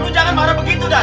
lu jangan marah begitu dah